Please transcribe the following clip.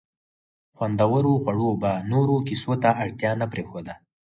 خوندورو خوړو به نورو کیسو ته اړتیا نه پرېښوده.